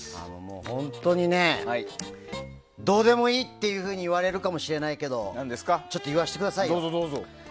本当にねどうでもいいっていうふうに言われるかもしれないけどちょっと言わせてくださいよ。